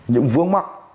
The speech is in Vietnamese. những vướng mắc